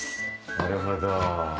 なるほど。